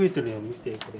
見てこれ。